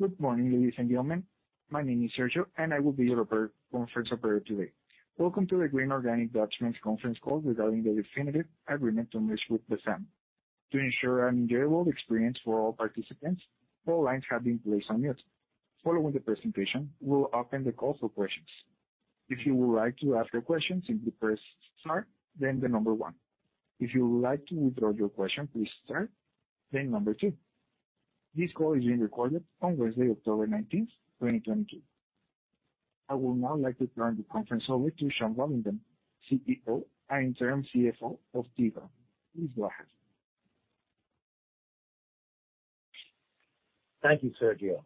Good morning, ladies and gentlemen. My name is Sergio, and I will be your conference operator today. Welcome to the Green Organic Dutchman conference call regarding the definitive agreement to merge with BZAM. To ensure an enjoyable experience for all participants, all lines have been placed on mute. Following the presentation, we'll open the call for questions. If you would like to ask a question, simply press star, then the number one. If you would like to withdraw your question, please star, then number two. This call is being recorded on Wednesday, October 19, 2022. I would now like to turn the conference over to Sean Bovingdon, CPO and Interim CFO of TGOD. Please go ahead. Thank you, Sergio.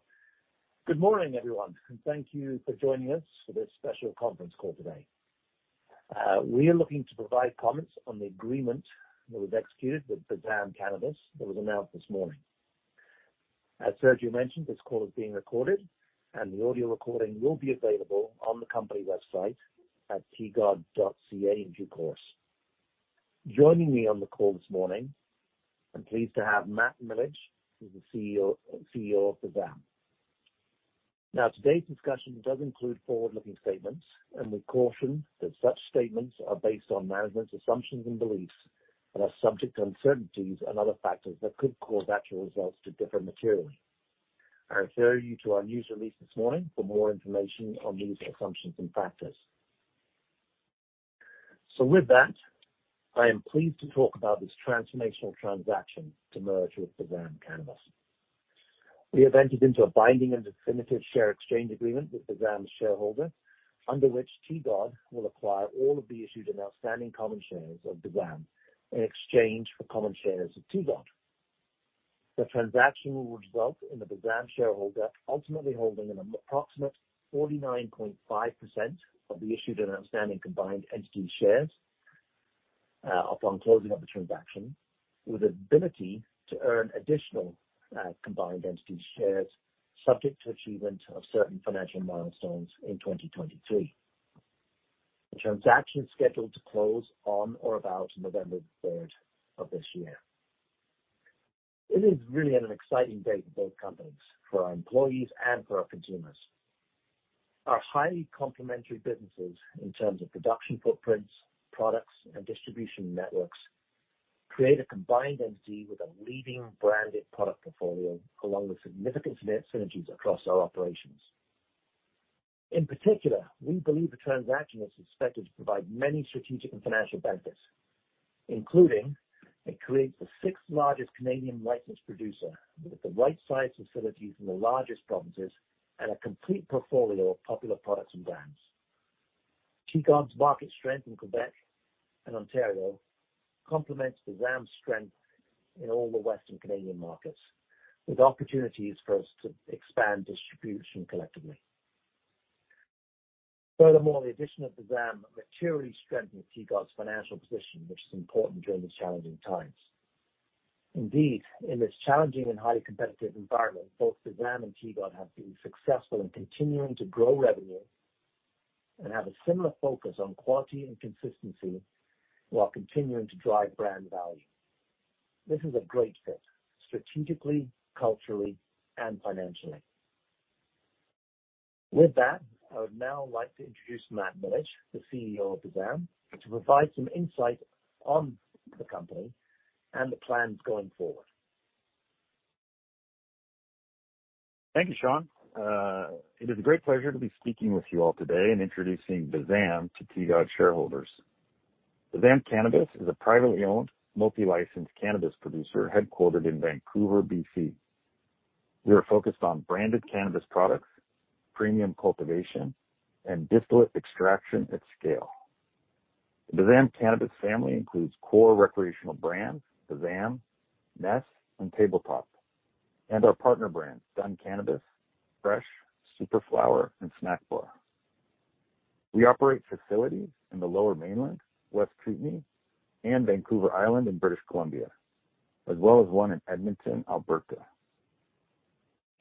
Good morning, everyone, and thank you for joining us for this special conference call today. We are looking to provide comments on the agreement that was executed with BZAM Cannabis that was announced this morning. As Sergio mentioned, this call is being recorded, and the audio recording will be available on the company website at tgod.ca in due course. Joining me on the call this morning, I'm pleased to have Matt Milich, who's the CEO of BZAM. Now, today's discussion does include forward-looking statements, and we caution that such statements are based on management's assumptions and beliefs and are subject to uncertainties and other factors that could cause actual results to differ materially. I refer you to our news release this morning for more information on these assumptions and factors. With that, I am pleased to talk about this transformational transaction to merge with BZAM. We have entered into a binding and definitive share exchange agreement with the BZAM shareholder, under which TGOD will acquire all of the issued and outstanding common shares of BZAM in exchange for common shares of TGOD. The transaction will result in the BZAM shareholder ultimately holding an approximate 49.5% of the issued and outstanding combined entity shares, upon closing of the transaction, with the ability to earn additional, combined entity shares, subject to achievement of certain financial milestones in 2023. The transaction is scheduled to close on or about November third of this year. It is really an exciting day for both companies, for our employees and for our consumers. Our highly complementary businesses in terms of production footprints, products, and distribution networks create a combined entity with a leading branded product portfolio along with significant synergies across our operations. In particular, we believe the transaction is expected to provide many strategic and financial benefits, including it creates the sixth-largest Canadian licensed producer with the right size facilities in the largest provinces and a complete portfolio of popular products and brands. TGOD's market strength in Quebec and Ontario complements BZAM's strength in all the Western Canadian markets, with opportunities for us to expand distribution collectively. Furthermore, the addition of BZAM materially strengthens TGOD's financial position, which is important during these challenging times. Indeed, in this challenging and highly competitive environment, both BZAM and TGOD have been successful in continuing to grow revenue and have a similar focus on quality and consistency while continuing to drive brand value. This is a great fit strategically, culturally, and financially. With that, I would now like to introduce Matt Milich, the CEO of BZAM, to provide some insight on the company and the plans going forward. Thank you, Sean. It is a great pleasure to be speaking with you all today and introducing BZAM to TGOD shareholders. BZAM Cannabis is a privately owned, multi-licensed cannabis producer headquartered in Vancouver, BC. We are focused on branded cannabis products, premium cultivation, and distillate extraction at scale. BZAM Cannabis family includes core recreational brands, BZAM, ness, and Table Top, and our partner brands, Dunn Cannabis, FRESH, SuperFlower, and Snackbar. We operate facilities in the Lower Mainland, West Kootenay, and Vancouver Island in British Columbia, as well as one in Edmonton, Alberta.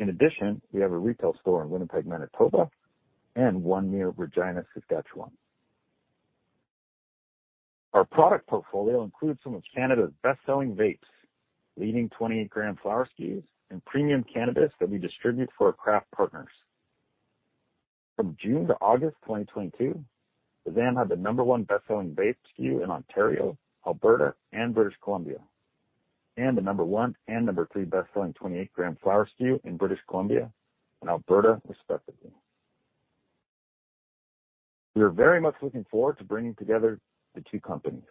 In addition, we have a retail store in Winnipeg, Manitoba, and one near Regina, Saskatchewan. Our product portfolio includes some of Canada's best-selling vapes, leading 28-gram flower SKUs, and premium cannabis that we distribute for our craft partners. From June to August 2022, BZAM had the number one best-selling vape SKU in Ontario, Alberta, and British Columbia, and the number one and number three best-selling 28-gram flower SKU in British Columbia and Alberta, respectively. We are very much looking forward to bringing together the two companies.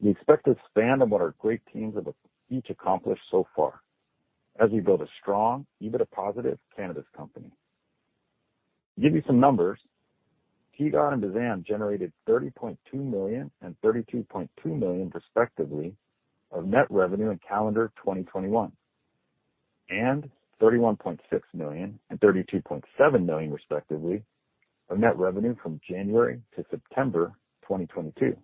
We expect to expand on what our great teams have each accomplished so far as we build a strong, EBITDA-positive cannabis company. To give you some numbers, TGOD and BZAM generated 30.2 million and 32.2 million, respectively, of net revenue in calendar 2021, and 31.6 million and 32.7 million, respectively, of net revenue from January-September 2022.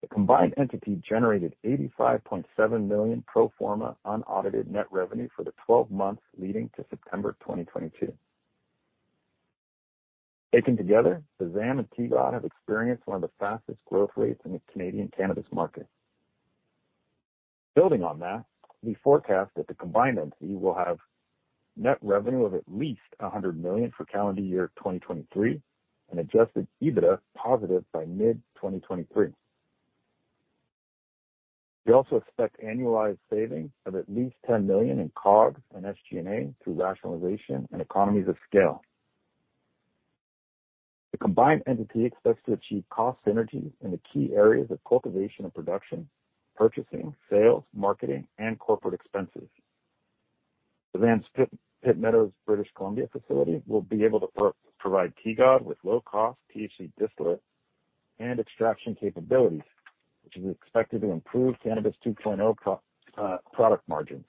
The combined entity generated 85.7 million pro forma unaudited net revenue for the twelve months leading to September 2022. Taken together, BZAM and TGOD have experienced one of the fastest growth rates in the Canadian cannabis market. Building on that, we forecast that the combined entity will have net revenue of at least 100 million for calendar year 2023 and adjusted EBITDA positive by mid-2023. We also expect annualized savings of at least 10 million in COGS and SG&A through rationalization and economies of scale. The combined entity expects to achieve cost synergies in the key areas of cultivation and production, purchasing, sales, marketing, and corporate expenses. BZAM's Pitt Meadows, British Columbia facility will be able to provide TGOD with low-cost THC distillate and extraction capabilities, which is expected to improve Cannabis 2.0 product margins.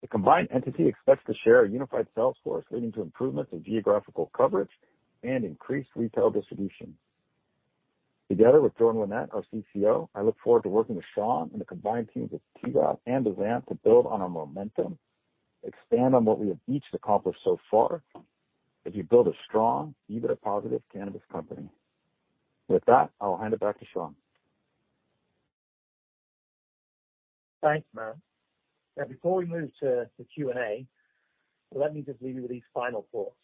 The combined entity expects to share a unified sales force, leading to improvements in geographical coverage and increased retail distribution. Together with Jordan Winnett, our CCO, I look forward to working with Sean and the combined teams of TGOD and BZAM to build on our momentum, expand on what we have each accomplished so far as we build a strong EBITDA-positive cannabis company. With that, I will hand it back to Sean. Thanks, Matt. Now, before we move to Q&A, let me just leave you with these final thoughts.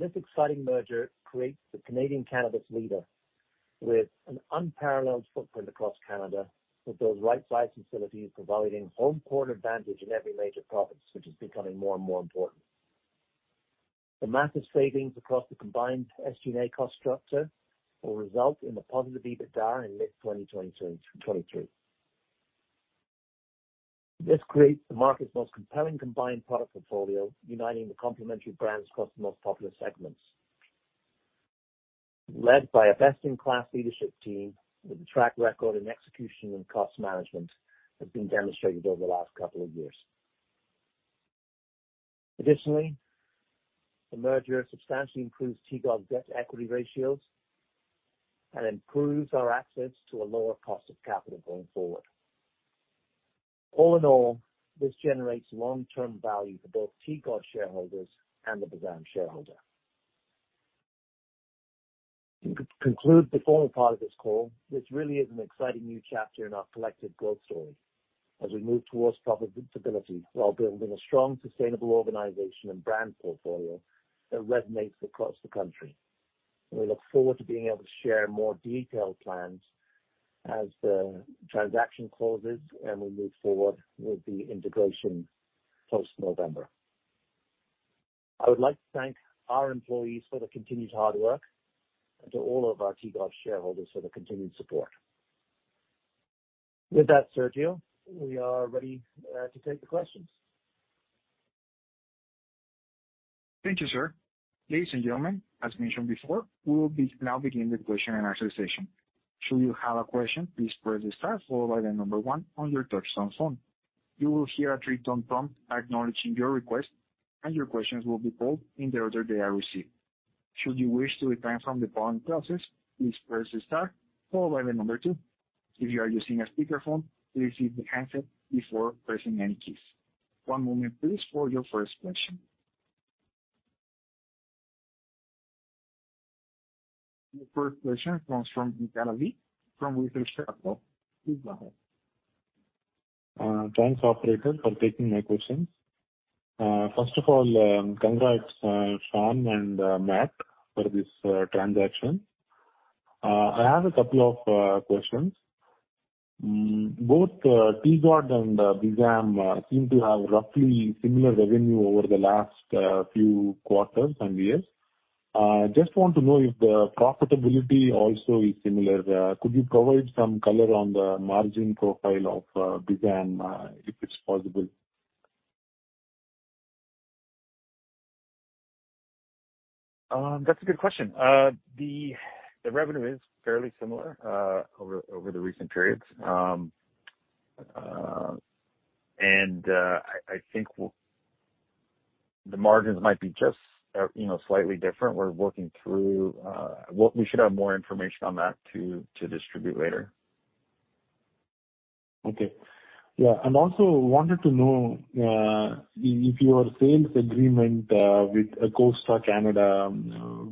This exciting merger creates the Canadian cannabis leader with an unparalleled footprint across Canada, with those right-sized facilities providing home court advantage in every major province, which is becoming more and more important. The massive savings across the combined SG&A cost structure will result in a positive EBITDA in mid-2023. This creates the market's most compelling combined product portfolio, uniting the complementary brands across the most popular segments. Led by a best-in-class leadership team with a track record in execution and cost management, have been demonstrated over the last couple of years. Additionally, the merger substantially improves TGOD's debt-to-equity ratios and improves our access to a lower cost of capital going forward. All in all, this generates long-term value for both TGOD shareholders and the BZAM shareholder. To conclude the formal part of this call, this really is an exciting new chapter in our collective growth story as we move towards profitability while building a strong, sustainable organization and brand portfolio that resonates across the country. We look forward to being able to share more detailed plans as the transaction closes and we move forward with the integration post-November. I would like to thank our employees for their continued hard work and to all of our TGOD shareholders for their continued support. With that, Sergio, we are ready to take the questions. Thank you, sir. Ladies and gentlemen, as mentioned before, we will now begin the question and answer session. Should you have a question, please press star followed by the number one on your touchtone phone. You will hear a three-tone prompt acknowledging your request, and your questions will be called in the order they are received. Should you wish to withdraw from the polling process, please press star followed by the number two. If you are using a speakerphone, please hit the handset before pressing any keys. One moment please for your first question. Your first question comes from Venkata Velagapudi from Research Capital. Please go ahead. Thanks, operator, for taking my questions. First of all, congrats, Sean and Matt, for this transaction. I have a couple of questions. Both TGOD and BZAM seem to have roughly similar revenue over the last few quarters and years. Just want to know if the profitability also is similar. Could you provide some color on the margin profile of BZAM, if it's possible? That's a good question. The revenue is fairly similar over the recent periods. I think the margins might be just you know slightly different. We're working through. We should have more information on that to distribute later. Okay. Yeah. Also wanted to know if your sales agreement with Acosta Canada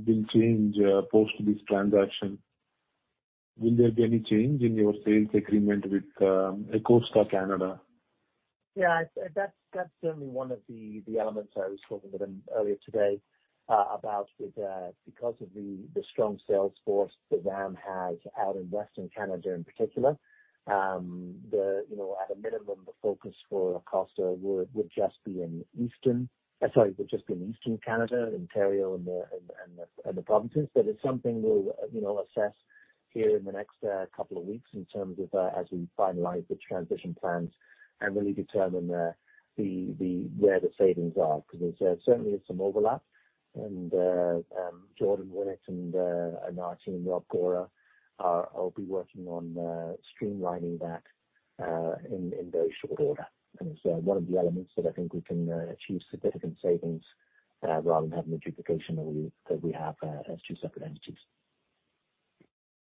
will change post this transaction. Will there be any change in your sales agreement with Acosta Canada? Yeah, that's certainly one of the elements I was talking with them earlier today about with because of the strong sales force BZAM has out in Western Canada in particular. You know, at a minimum, the focus for Acosta would just be in Eastern Canada. Sorry, would just be in Eastern Canada, Ontario and the provinces. It's something we'll, you know, assess here in the next couple of weeks in terms of as we finalize the transition plans and really determine where the savings are. Because there's certainly some overlap. Jordan Winnett and our team, Rob Gorham, are working on streamlining that in very short order. It's one of the elements that I think we can achieve significant savings rather than having the duplication that we have as two separate entities.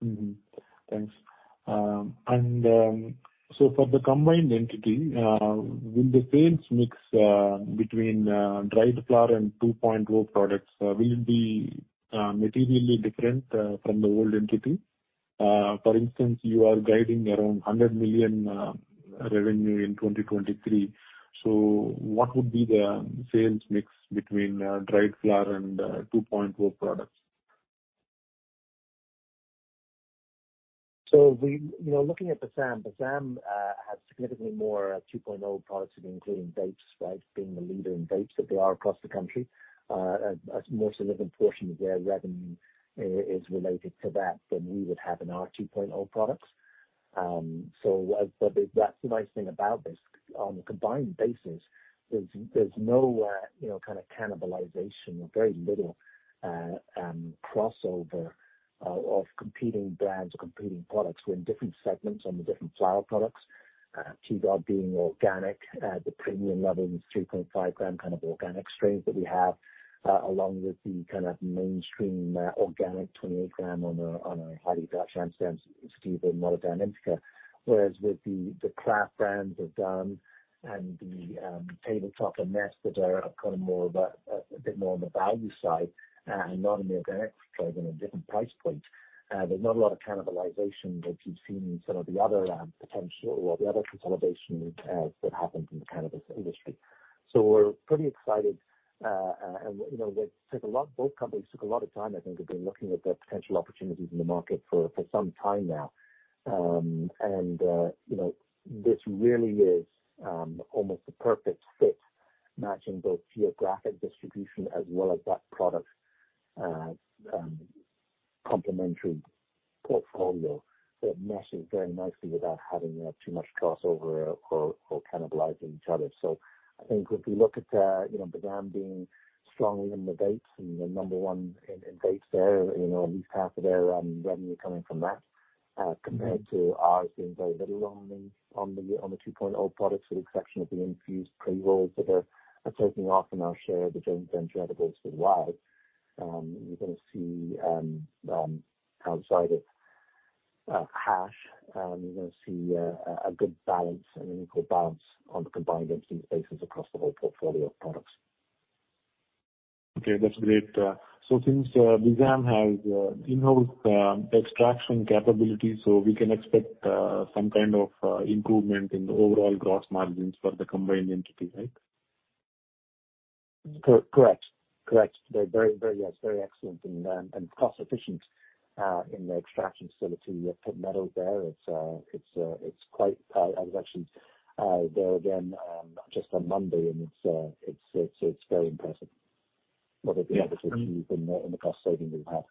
Mm-hmm. Thanks. For the combined entity, will the sales mix between dried flower and 2.0 products be materially different from the old entity? For instance, you are guiding around 100 million revenue in 2023. What would be the sales mix between dried flower and 2.0 products? You know, looking at BZAM has significantly more 2.0 products including vapes, right? Being the leader in vapes that they are across the country. A more significant portion of their revenue is related to that than we would have in our 2.0 products. That's the nice thing about this. On a combined basis, there's no, you know, kind of cannibalization or very little crossover of competing brands or competing products. We're in different segments on the different flower products, TGOD being organic, the premium level is 2.5-gram kind of organic strains that we have, along with the kind of mainstream organic 28-gram on our Highly Dutch strains, sativa and indica. Whereas with the craft brands of BZAM and the Table Top and ness that are kind of more of a bit more on the value side, and not an organic strain and a different price point. There's not a lot of cannibalization that you've seen in some of the other potential or the other consolidation that happens in the cannabis industry. We're pretty excited. You know, both companies took a lot of time, I think, have been looking at the potential opportunities in the market for some time now. You know, this really is almost a perfect fit, matching both geographic distribution as well as that product complementary portfolio that meshes very nicely without having too much crossover or cannibalizing each other. I think if you look at, you know, BZAM being strong within the vapes and the number one in vapes there, you know, at least half of their revenue coming from that, compared to ours being very little on the 2.0 products with the exception of the infused pre-rolls that are taking off in our share of the joint venture out of those for Wyld. You're gonna see outside of hash, you're gonna see a good balance and an equal balance on the combined entity basis across the whole portfolio of products. Okay, that's great. Since BZAM has in-house extraction capabilities, so we can expect some kind of improvement in the overall gross margins for the combined entity, right? Correct. They're very excellent and cost efficient in the extraction facility at Pitt Meadows there. It's quite. I was actually there again just on Monday, and it's very impressive. Yeah. What they've been able to achieve in the cost saving they've had.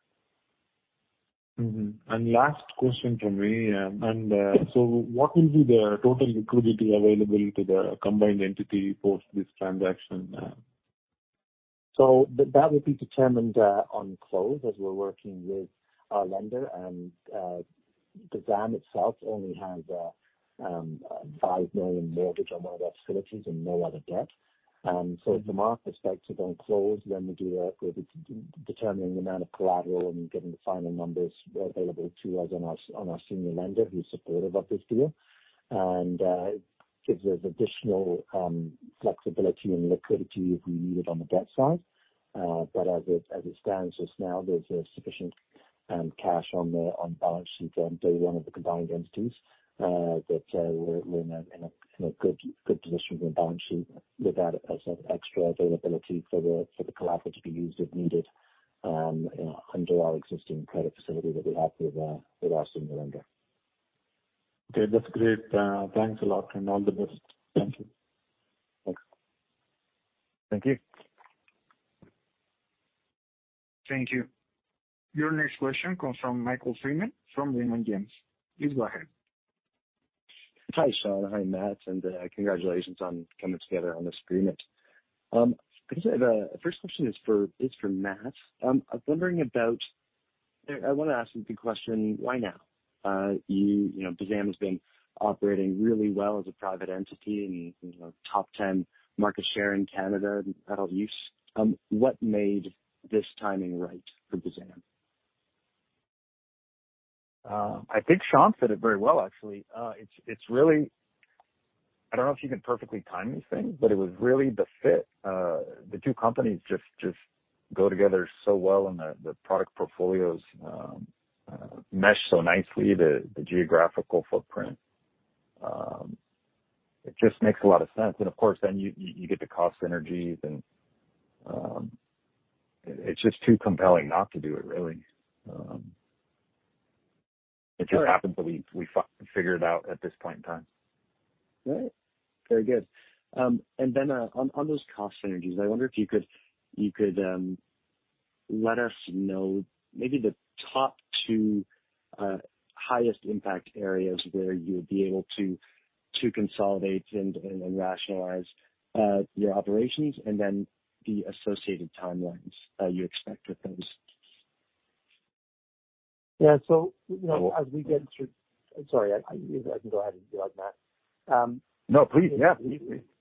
Last question from me. What will be the total liquidity available to the combined entity post this transaction? That would be determined on close as we're working with our lender. BZAM itself only has 5 million mortgage on one of their facilities and no other debt. From our perspective on close, we're determining the amount of collateral and getting the final numbers available to us on our senior lender who's supportive of this deal. Gives us additional flexibility and liquidity if we need it on the debt side. As it stands just now, there's sufficient cash on the balance sheet on day one of the combined entities. That we're in a good position from the balance sheet with that as an extra availability for the collateral to be used if needed, under our existing credit facility that we have with our senior lender. Okay, that's great. Thanks a lot, and all the best. Thank you. Thanks. Thank you. Thank you. Your next question comes from Michael W. Freeman from Raymond James. Please go ahead. Hi, Sean. Hi, Matt, and congratulations on coming together on this agreement. The first question is for Matt. I wanna ask you the question, why now? You know, BZAM has been operating really well as a private entity in, you know, top 10 market share in Canada in adult use. What made this timing right for BZAM? I think Sean said it very well, actually. It's really. I don't know if you can perfectly time these things, but it was really the fit. The two companies just go together so well, and the product portfolios mesh so nicely. The geographical footprint, it just makes a lot of sense. Of course then you get the cost synergies, and it's just too compelling not to do it really. It just happens that we figure it out at this point in time. All right. Very good. On those cost synergies, I wonder if you could let us know maybe the top two highest impact areas where you would be able to consolidate and rationalize your operations and then the associated timelines you expect with those. Yeah. You know, sorry. You can go ahead and go on, Matt. No, please.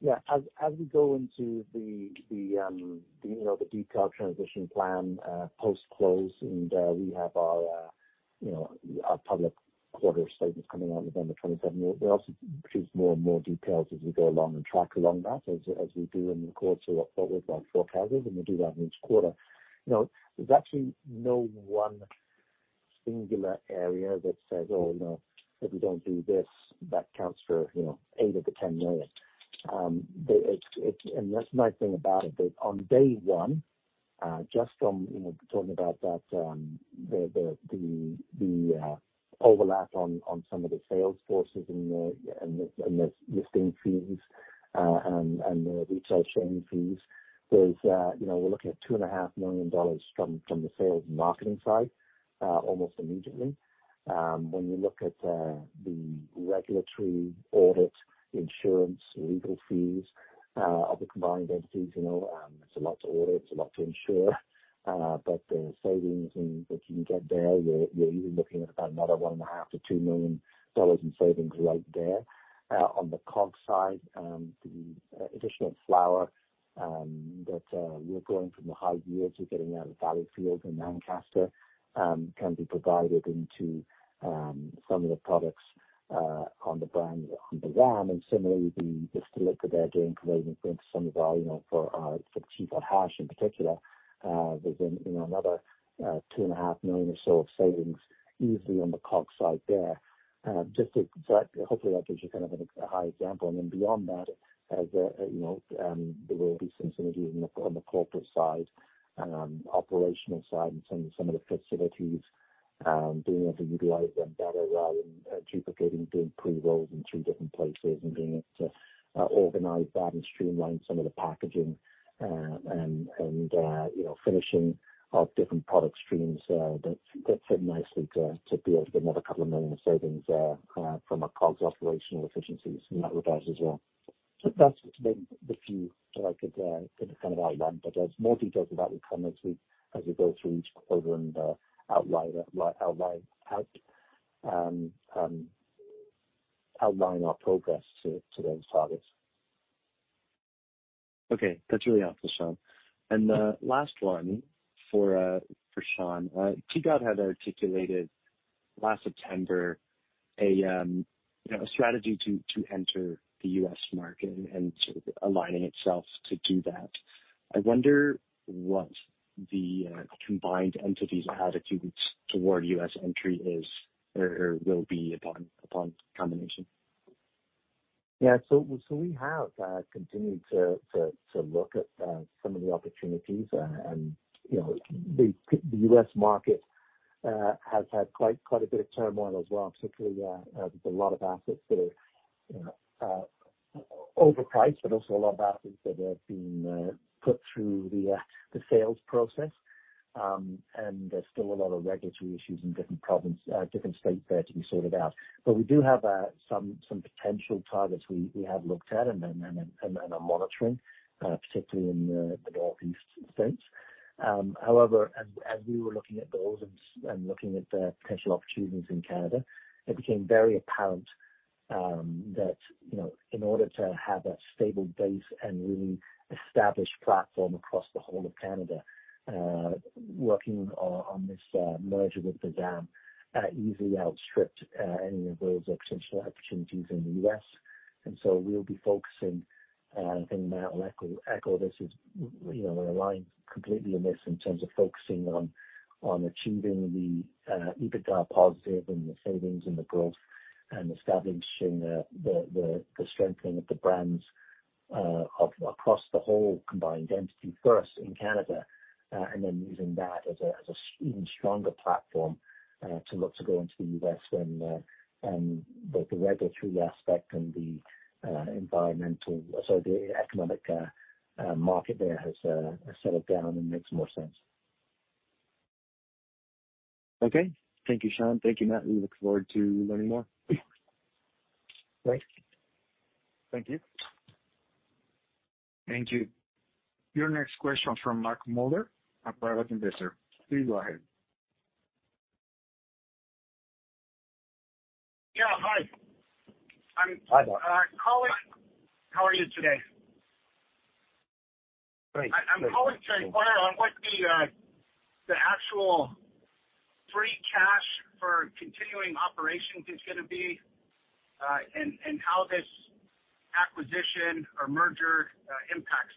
Yeah. As we go into the decarb transition plan post-close, we have our public quarterly statements coming out November 27. We also produce more and more details as we go along and track against that as we do in the course of October with our forecasters, and we do that in each quarter. You know, there's actually no one singular area that says, oh no, if we don't do this, that counts for, you know, 8 of the 10 million. But it and that's the nice thing about it. That on day one, just from, you know, talking about that, the overlap on some of the sales forces and the listing fees, and the retail sharing fees is, you know, we're looking at 2.5 million dollars from the sales and marketing side, almost immediately. When you look at the regulatory audit, insurance, legal fees of the combined entities, you know, it's a lot to audit, it's a lot to insure. But the savings in that you can get there, you're even looking at about another 1.5 million-2 million dollars in savings right there. On the COGS side, the additional flower that we're growing from the high yields we're getting out of Valleyfield in Ancaster can be provided into some of the products on the brands of the BZAM. Similarly, the distillate that they're doing can weigh into some of our, you know, for Cheetah hash in particular within, you know, another 2.5 million or so of savings easily on the COGS side there. Just hopefully that gives you kind of a high-level example. Beyond that, you know, there will be some synergies on the corporate side and on operational side and some of the facilities being able to utilize them better rather than duplicating doing pre-rolls in three different places and being able to organize that and streamline some of the packaging and you know, finishing of different product streams that fit nicely to be able to get another 2 million in savings from a COGS operational efficiencies in that regard as well. That's maybe the few that I could kind of outline, but there's more details of that will come as we go through each quarter and outline our progress to those targets. Okay. That's really helpful, Sean. The last one for Sean. TGOD had articulated last September a, you know, a strategy to enter the U.S. market and to aligning itself to do that. I wonder what the combined entities attitude toward U.S. entry is or will be upon combination. Yeah. We have continued to look at some of the opportunities. You know, the U.S. market has had quite a bit of turmoil as well, particularly, there's a lot of assets that are, you know, overpriced, but also a lot of assets that have been put through the sales process. There's still a lot of regulatory issues in different states there to be sorted out. We do have some potential targets we have looked at and are monitoring, particularly in the Northeast states. However, as we were looking at those and looking at the potential opportunities in Canada, it became very apparent that, you know, in order to have a stable base and really establish platform across the whole of Canada, working on this merger with BZAM easily outstripped any of those potential opportunities in the US. We'll be focusing, and I think Matt will echo this. You know, we're aligned completely in this in terms of focusing on achieving the EBITDA positive and the savings and the growth and establishing the strengthening of the brands across the whole combined entity first in Canada, and then using that as an even stronger platform to look to go into the U.S. when the regulatory aspect and the environmental, so the economic market there has settled down and makes more sense. Okay. Thank you, Sean. Thank you, Matt. We look forward to learning more. Thanks. Thank you. Thank you. Your next question is from Mark Mulder at Private Investor. Please go ahead. Yeah. Hi. Hi, Mark. How are you today? Great. I'm calling to inquire on what the actual free cash for continuing operations is gonna be, and how this acquisition or merger impacts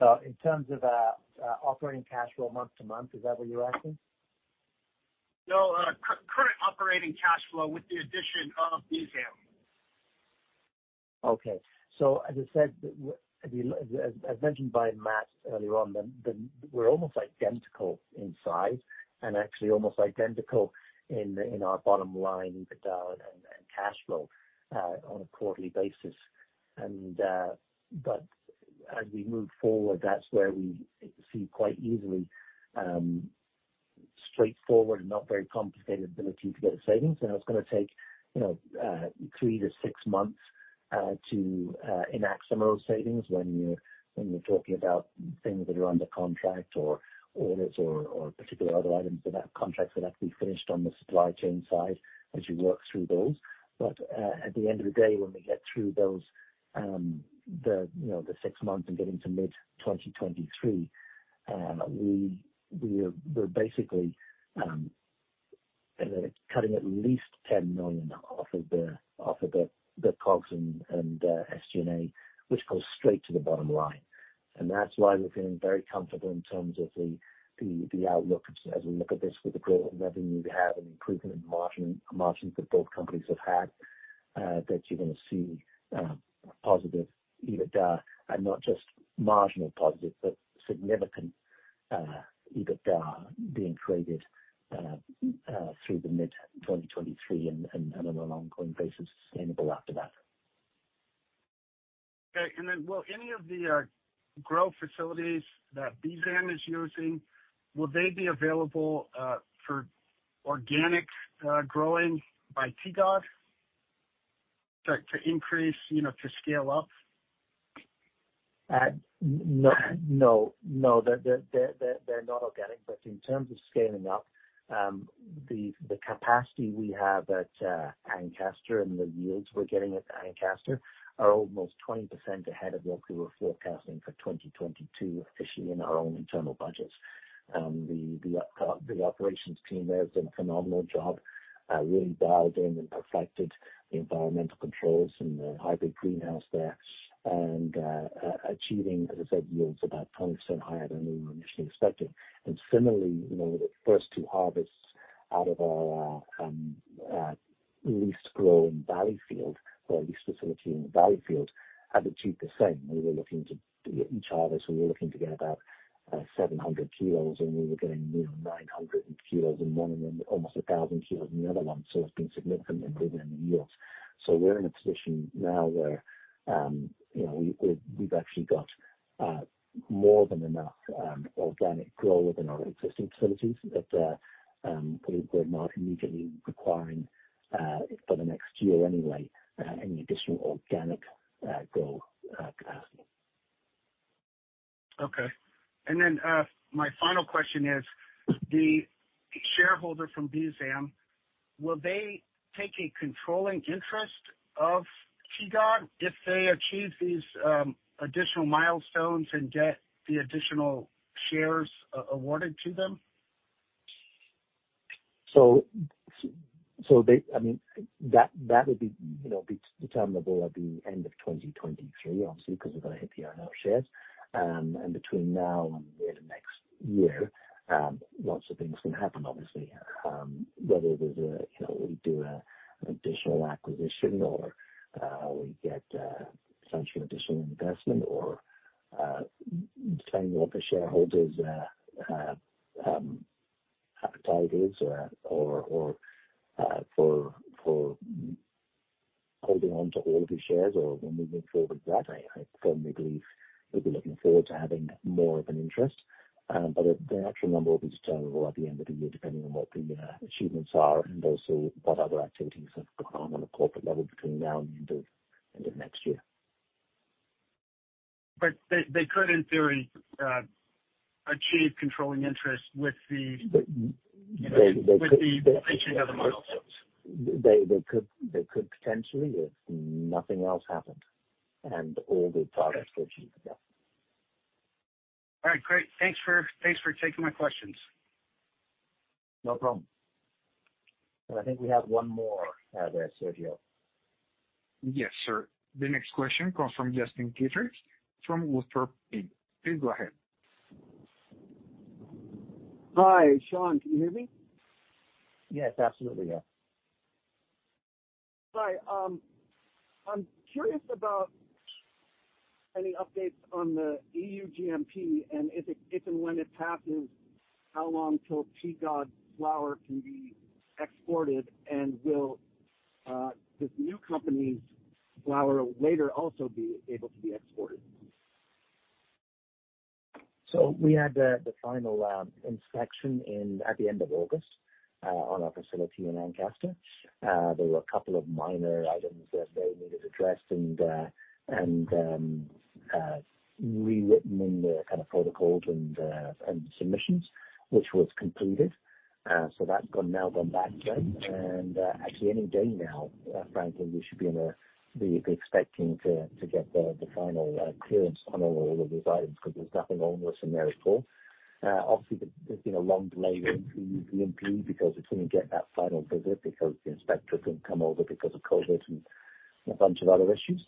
that? In terms of operating cash flow month-to-month, is that what you're asking? No. Current operating cash flow with the addition of BZAM. Okay. As I said, as mentioned by Matt earlier on, we're almost identical in size and actually almost identical in our bottom line EBITDA and cash flow on a quarterly basis. As we move forward, that's where we see quite easily straightforward and not very complicated ability to get the savings. It's gonna take you know 3-6 months to enact some of those savings when you're talking about things that are under contract or orders or particular other items that have contracts that have to be finished on the supply chain side as you work through those. At the end of the day, when we get through those, you know, the six months and get into mid-2023, we're basically cutting at least 10 million off of the COGS and SG&A, which goes straight to the bottom line. That's why we're feeling very comfortable in terms of the outlook as we look at this with the growth in revenue we have and improvement in margins that both companies have had, that you're gonna see positive EBITDA and not just marginal positive, but significant EBITDA being created through the mid-2023 and on an ongoing basis, sustainable after that. Okay. Will any of the grow facilities that BZAM is using, will they be available for organic growing by TGOD? To increase, you know, to scale up? No. They're not organic. In terms of scaling up, the capacity we have at Ancaster and the yields we're getting at Ancaster are almost 20% ahead of what we were forecasting for 2022 officially in our own internal budgets. The operations team there has done a phenomenal job, really dialed in and perfected the environmental controls in the hybrid greenhouse there and achieving, as I said, yields about 20% higher than we were initially expecting. Similarly, the first two harvests out of our lease grow in Valleyfield or our lease facility in Valleyfield have achieved the same. We were looking to. Each harvest, we were looking to get about 700 kilos, and we were getting near 900 kilos in one of them, almost 1,000 kilos in the other one. It's been significantly bigger than the yields. We're in a position now where, you know, we've actually got more than enough organic grow within our existing facilities that we're not immediately requiring, for the next year anyway, any additional organic grow capacity. My final question is, the shareholder from BZAM, will they take a controlling interest of TGOD if they achieve these additional milestones and get the additional shares awarded to them? I mean, that would be determinable at the end of 2023, obviously, because we've got to hit the earn-out shares. Between now and the end of next year, lots of things can happen, obviously. Whether there's an additional acquisition or we get potentially additional investment or depending what the shareholders appetite is or for holding on to all of his shares or when we've been through with that, I firmly believe we'll be looking forward to having more of an interest. The actual number will be determinable at the end of the year, depending on what the achievements are and also what other activities have gone on a corporate level between now and the end of next year. They could, in theory, achieve controlling interest. They could- With the reaching of the milestones. They could potentially if nothing else happened and all the targets were achieved, yeah. All right, great. Thanks for taking my questions. No problem. I think we have one more, Sergio. Yes, sir. The next question comes from Justin Dietrich from Wolfpack Research. Please go ahead. Hi, Sean. Can you hear me? Yes, absolutely, yeah. Hi. I'm curious about any updates on the EU GMP and if and when it passes, how long till TGOD flower can be exported, and will this new company's flower later also be able to be exported? We had the final inspection at the end of August on our facility in Ancaster. There were a couple of minor items that they needed addressed and rewritten in the kind of protocols and submissions, which was completed. That's gone that way. Actually any day now, frankly, we should be expecting to get the final clearance on all of these items because there's nothing wrong with them. They're cool. Obviously, there's been a long delay with EU GMP because we couldn't get that final visit because the inspector couldn't come over because of COVID and a bunch of other issues.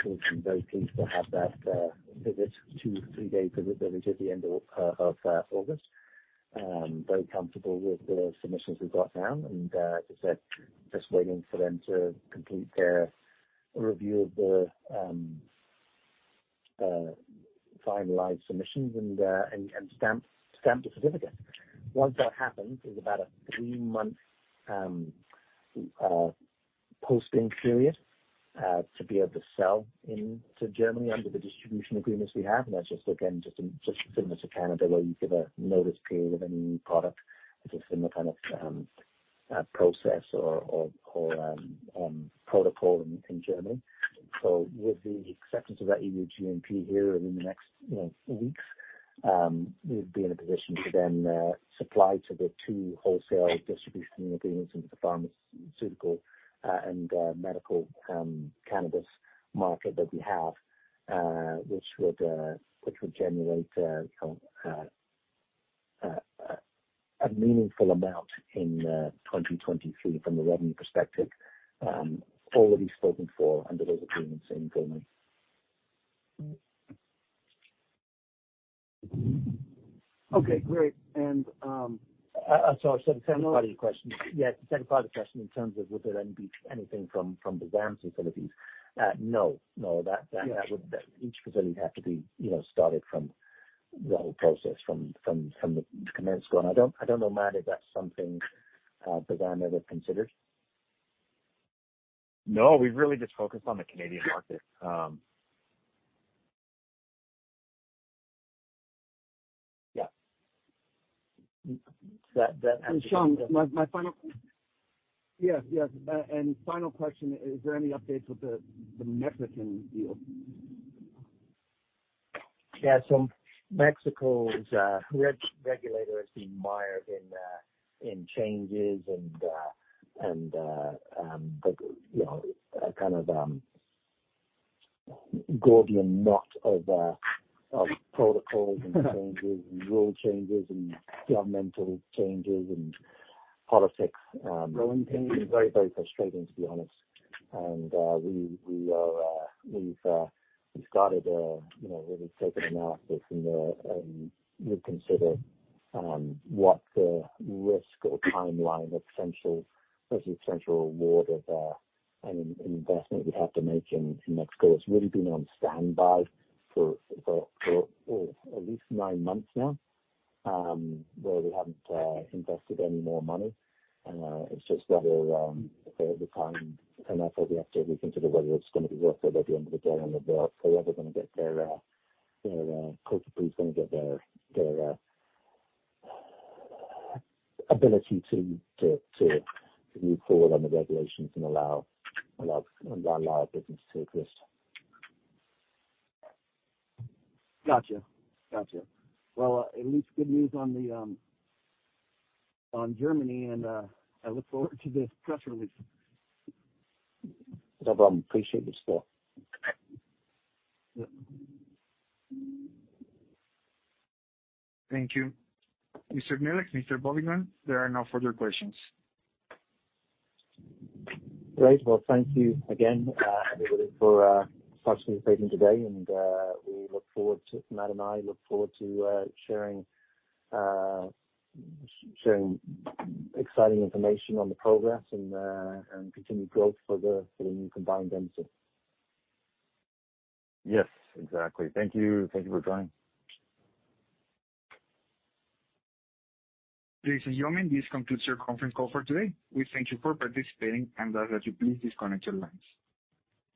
Clearly very pleased to have that 2-3-day visit there which was at the end of August. Very comfortable with the submissions we've got now. As I said, just waiting for them to complete their review of the finalized submissions and stamp the certificate. Once that happens, there's about a 3-month posting period to be able to sell into Germany under the distribution agreements we have. That's just, again, just similar to Canada, where you give a notice period of any new product. It's a similar kind of process or protocol in Germany. With the acceptance of that EU GMP here and in the next, you know, weeks, we'd be in a position to then supply to the two wholesale distribution agreements in the pharmaceutical and medical cannabis market that we have, which would generate, you know, a meaningful amount in 2023 from a revenue perspective, already spoken for under those agreements in Germany. Okay, great. The second part of your question. Yeah, the second part of the question in terms of would there then be anything from the BZAM facilities? No. That would- Yeah. Each facility would have to be, you know, started from the whole process from scratch. I don't know, Matt, if that's something BZAM ever considered. No, we've really just focused on the Canadian market. Yeah. That. Sean, my final question. Is there any updates with the Mexican deal? Mexico's regulator has been mired in changes and you know a kind of Gordian knot of protocols and changes and rule changes and governmental changes and politics. Very, very frustrating, to be honest. We've started you know really taking analysis and reconsider what the risk or timeline of potential there's a potential reward of an investment we have to make in Mexico. It's really been on standby for at least nine months now where we haven't invested any more money. It's just whether, if they ever find enough or we have to reconsider whether it's gonna be worth it at the end of the day and if they're ever gonna get their COFEPRIS gonna get their ability to move forward on the regulations and allow business to exist. Gotcha. Well, at least good news on Germany, and I look forward to this press release. No problem. Appreciate the support. Yeah. Thank you. Mr. Milich, Mr. Bovingdon, there are no further questions. Great. Well, thank you again, everybody for participating today, and Matt and I look forward to sharing exciting information on the progress and continued growth for the new combined entity. Yes, exactly. Thank you. Thank you for joining. This is Yomin. This concludes your conference call for today. We thank you for participating and ask that you please disconnect your lines.